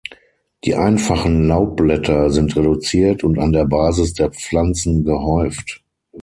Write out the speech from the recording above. Die einfachen Laubblätter sind reduziert und an der Basis der Pflanzen gehäuft.